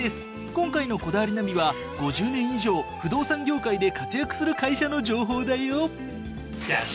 今回の『こだわりナビ』は５０年以上不動産業界で活躍する会社の情報だよ！